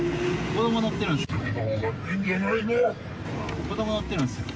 子ども乗ってるんですよ。